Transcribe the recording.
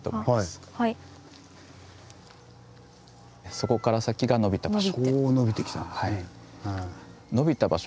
そこから先が伸びた場所。